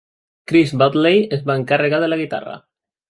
Chris Bradley es va encarregar de la guitarra.